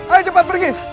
ayo cepat pergi